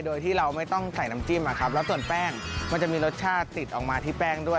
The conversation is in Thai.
โดยที่เราไม่ต้องใส่น้ำจิ้มอะครับแล้วส่วนแป้งมันจะมีรสชาติติดออกมาที่แป้งด้วย